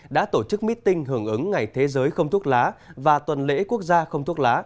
đã tổ chức meeting hưởng ứng ngày thế giới không thuốc lá và tuần lễ quốc gia không thuốc lá